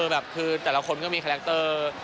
แบบคือแต่ละคนก็มีคาแรคเตอร์